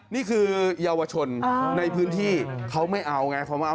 นี่คือเยาวชนในพื้นที่เขาไม่เอาไง